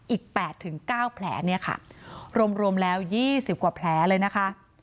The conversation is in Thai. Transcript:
อีกแปดถึงเก้าแผลเนี่ยค่ะรวมแล้วยี่สิบกว่าแผลเลยนะคะ